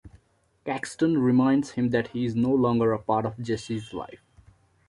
Caxton reminds him that he is no longer a part of Jessie's life.